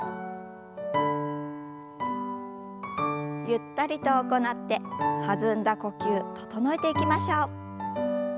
ゆったりと行って弾んだ呼吸整えていきましょう。